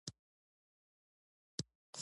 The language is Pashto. او د ګډ پرمختګ لپاره.